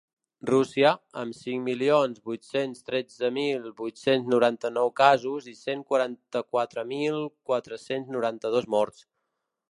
Rússia, amb cinc milions vuit-cents tretze mil vuit-cents noranta-nou casos i cent quaranta-quatre mil quatre-cents noranta-dos morts.